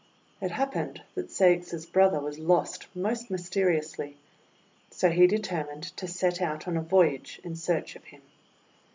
It happened that Ceyx's brother was lost most mysteriously, so he determined to set out on a voyage in search of him.